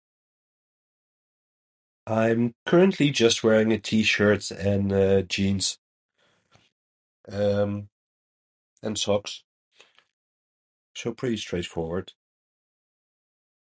I'm currently just wearing a T-shirt and, uh, jeans. Um, and socks. So, pretty straightforward.